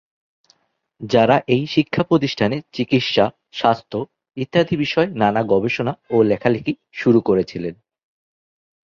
যারা এই শিক্ষা প্রতিষ্ঠানে চিকিৎসা, স্বাস্থ্য ইত্যাদি বিষয়ে নানা গবেষণা ও লেখালেখি শুরু করেছিলেন।